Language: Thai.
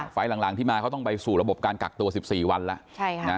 ไฟล์ทหลังหลังที่มาเขาต้องไปสู่ระบบการกากตัวสิบสี่วันแล้วใช่ค่ะนะ